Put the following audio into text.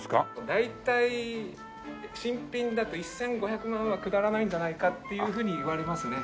大体新品だと１５００万はくだらないんじゃないかっていうふうにいわれますね。